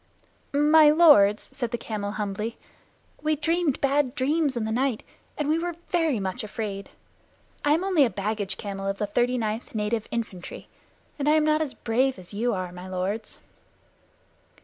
"My lords," said the camel humbly, "we dreamed bad dreams in the night, and we were very much afraid. I am only a baggage camel of the 39th Native Infantry, and I am not as brave as you are, my lords."